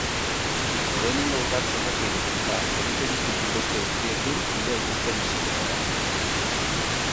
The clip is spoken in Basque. Lehenengo urrats horrekin, eta egiten dituzun beste guztiekin bidea ikusten hasiko zara.